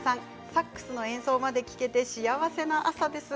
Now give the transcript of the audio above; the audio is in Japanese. サックスの演奏まで聴けて幸せな朝です。